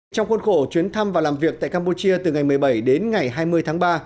trong khuôn khổ chuyến thăm và làm việc tại campuchia từ ngày một mươi bảy đến ngày hai mươi tháng ba